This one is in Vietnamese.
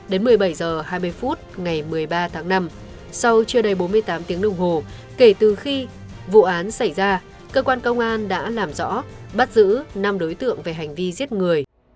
đến một mươi bảy h hai mươi phút ngày một mươi ba tháng năm sau chưa đầy bốn mươi tám tiếng đồng hồ kể từ khi vụ án xảy ra cơ quan công an đã làm rõ bắt giữ năm đối tượng về hành vi giết người